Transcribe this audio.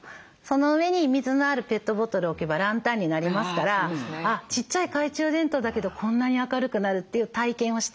その上に水のあるペットボトル置けばランタンになりますからちっちゃい懐中電灯だけどこんなに明るくなるっていう体験をして頂くと。